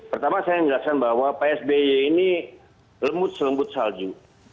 pertama saya menjelaskan bahwa pak sby ini lembut selembut salju